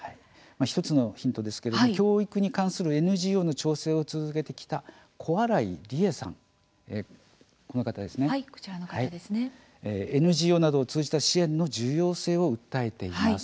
１つのヒントですが教育に関するＮＧＯの調整を続けてきた小荒井理恵さん、ＮＧＯなどを通じた支援の重要性を訴えています。